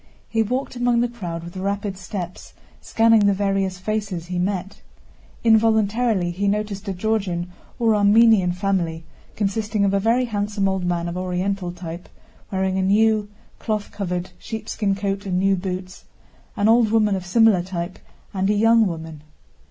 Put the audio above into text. He walked among the crowd with rapid steps, scanning the various faces he met. Involuntarily he noticed a Georgian or Armenian family consisting of a very handsome old man of Oriental type, wearing a new, cloth covered, sheepskin coat and new boots, an old woman of similar type, and a young woman.